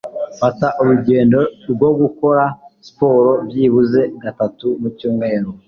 Mfata urugendo rwo gukora siporo byibuze gatatu mu cyumweru.